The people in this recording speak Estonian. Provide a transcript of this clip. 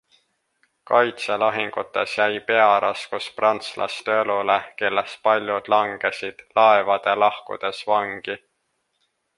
Kaitselahingutes jäi pearaskus prantslaste õlule, kellest paljud langesid laevade lahkudes vangi.